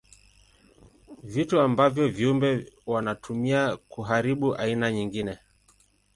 Vitu ambavyo viumbe wanatumia kuharibu aina nyingine.